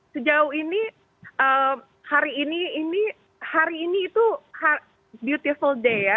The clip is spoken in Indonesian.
sejauh ini hari ini itu beautiful day ya